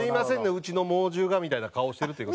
うちの猛獣が」みたいな顔をしてるという事。